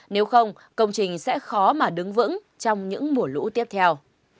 nếu không công trình sẽ khó mà đứng vững trong những mùa lũ tiếp theo